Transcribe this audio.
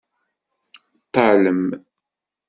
Ṭṭalem!